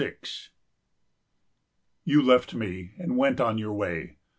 46 You left me and went on your way.